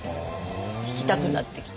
弾きたくなってきた。